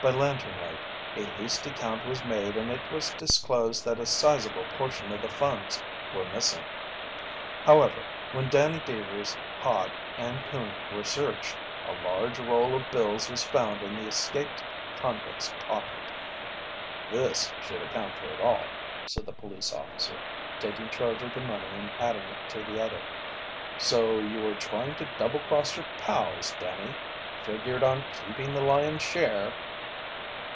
By lantern light a hasty count was made and it was disclosed that a sizeable portion of the funds were missing. However, when Danny Deevers, Hod, and Coon were searched, a large roll of bills was found in the escaped convict's pocket. "This should account for it all," said the police officer, taking charge of the money and adding it to the other. "So you were trying to double cross your pals, Danny? Figured on keeping the lion's share!"